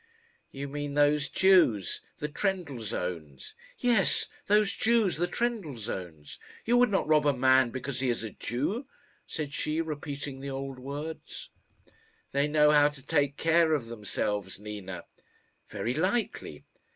"You mean those Jews the Trendellsohns." "Yes, those Jews the Trendellsohns! You would not rob a man because he is a Jew," said she, repeating the old words. "They know how to take care of themselves, Nina." "Very likely."